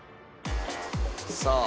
さあ。